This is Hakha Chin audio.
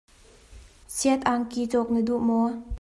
Shiat angki cawk na duh maw?